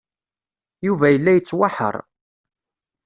Yuba yella yettwaḥeṛṛ.